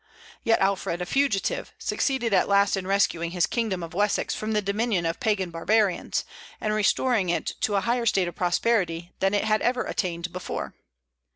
Yet Alfred a fugitive succeeded at last in rescuing his kingdom of Wessex from the dominion of Pagan barbarians, and restoring it to a higher state of prosperity than it had ever attained before.